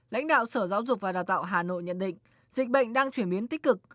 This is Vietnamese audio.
lãnh đạo sở giáo dục và đào tạo hà nội nhận định dịch bệnh đang chuyển biến tích cực